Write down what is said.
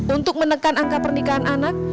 untuk menekan angka pernikahan anak